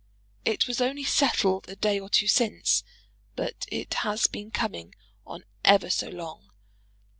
It was only settled a day or two since, but it has been coming on ever so long.